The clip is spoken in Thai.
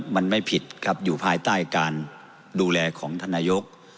มันไม่ผิดครับอยู่ภายใต้การดูแลของท่านนายก